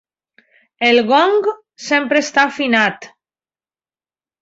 El gong sempre està afinat.